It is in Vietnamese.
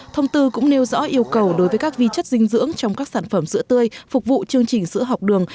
thông tư cũng nêu rõ yêu cầu đối với các vi chất dinh dưỡng trong các sản phẩm sữa tươi phục vụ chương trình sữa học đường